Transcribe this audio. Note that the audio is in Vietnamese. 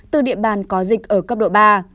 từ địa bàn có dịch ở cấp độ ba